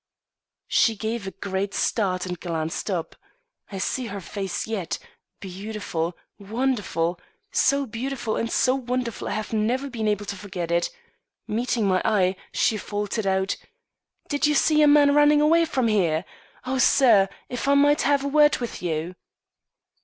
She gave a great start and glanced up. I see her face yet beautiful, wonderful; so beautiful and so wonderful I have never been able to forget it. Meeting my eye, she faltered out: "Did you see a man running away from here? Oh, sir, if I might have a word with you!"